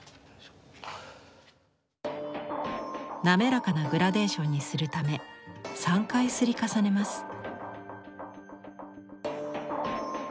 滑らかなグラデーションにするため３回摺り重ねます。